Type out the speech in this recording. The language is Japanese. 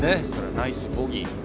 ナイスボギー。